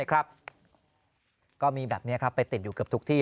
ก็มีแบบนี้ไปติดอยู่เกือบทุกที่